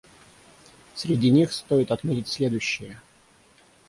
Среди них стоит отметить следующие.